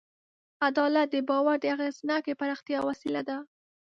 عدالت د باور د اغېزناکې پراختیا وسیله ده.